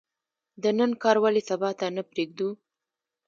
د نن کار ولې سبا ته نه پریږدو؟